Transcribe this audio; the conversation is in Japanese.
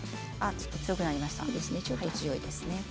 ちょっと火が強いですね。